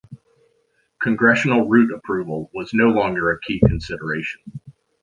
Congressional route approval was no longer a key consideration.